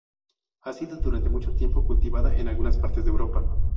Ha sido durante mucho tiempo cultivada en algunas partes de Europa.